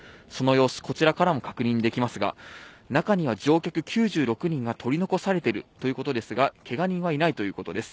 その様子こちらからも確認できますが中には乗客９６人が取り残されているということですがけが人はいません。